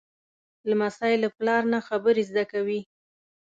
لمسی له پلار نه خبرې زده کوي.